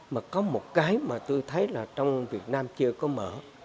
mà có một cái mà tôi thấy là trong việt nam chưa có mở